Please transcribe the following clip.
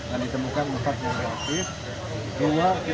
yang ditemukan empat yang reaktif